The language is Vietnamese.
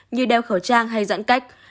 như đeo khẩu trang hay giãn cách